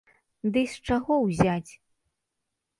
Ды й з чаго ўзяць?